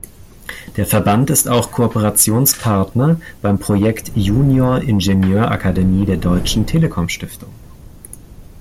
Der Verband ist auch Kooperationspartner beim Projekt Junior-Ingenieur-Akademie der Deutschen Telekom Stiftung.